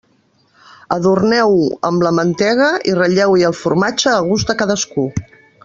Adorneu-ho amb la mantega i ratlleu-hi el formatge a gust de cadascú.